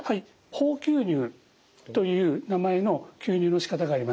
ホー吸入という名前の吸入のしかたがあります。